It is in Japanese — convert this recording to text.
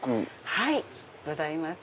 はいございます。